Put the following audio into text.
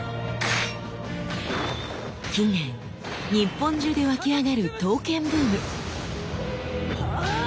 近年日本中で沸き上がる刀剣ブーム。